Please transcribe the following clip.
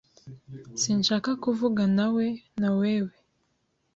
Sinshaka kuvuganawe nawewe, .